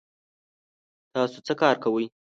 تاسو څه کار کوئ؟